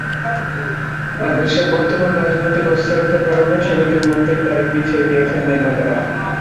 না, দেশের বর্তমান রাজনৈতিক অস্থিরতার কারণে ছবিটির মুক্তির তারিখ পিছিয়ে দিয়েছেন নির্মাতারা।